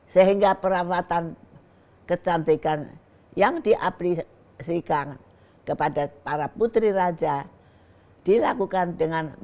sehingga perawatan kecantikan yang diaplisikan